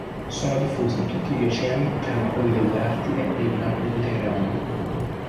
Sono diffusi in tutti gli oceani tranne quelli dell'Artide e il mar Mediterraneo.